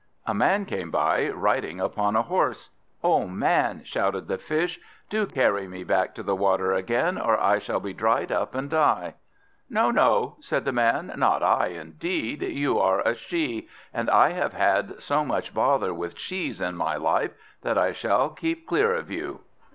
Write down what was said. A man came by, riding upon a horse. "O Man," shouted the Fish, "do carry me back to the water again, or I shall be dried up and die." "No, no," said the Man, "not I, indeed! You are a she, and I have had so much bother with shes in my life that I shall keep clear of you."